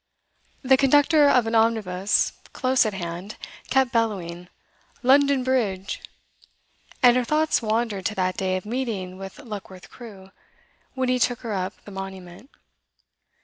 The conductor of an omnibus close at hand kept bellowing 'London Bridge!' and her thoughts wandered to that day of meeting with Luckworth Crewe, when he took her up the Monument.